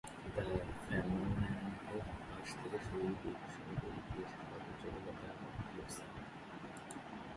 The ফেনোমেননকে পাশ থেকে সরিয়ে দিয়ে বিশ্বকাপের ইতিহাসে সর্বোচ্চ গোলদাতা হলেন ক্লোসা।